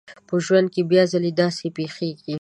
په ژوند کې بيا ځلې داسې پېښېږي.